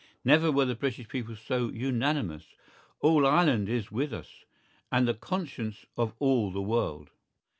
Never were the British people so unanimous; all Ireland is with us, and the conscience of all the world.